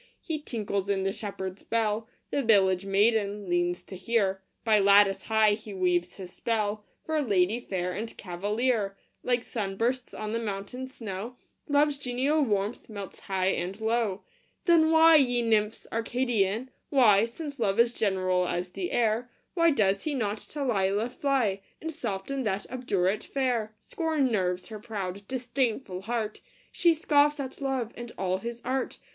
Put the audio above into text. He tinkles in the shepherd s bell The village maiden leans to hear By lattice high he weaves his spell, For lady fair and cavalier : Like sun bursts on the mountain snow, Love s genial warmth melts high and low. THE DREAM OF LOVE. 71 Then why, ye nymphs Arcadian, why Since Love is general as the air Why does he not to Lelia fly, And soften that obdurate fair? Scorn nerves her proud, disdainful heart ! She scoffs at Love and all his art